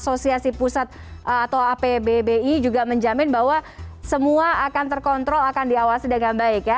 asosiasi pusat atau apbbi juga menjamin bahwa semua akan terkontrol akan diawasi dengan baik ya